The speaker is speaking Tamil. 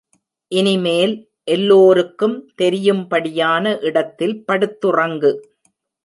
இனிமேல் எல்லோருக்கும் தெரியும் படியான இடத்தில் படுத்துறங்கு.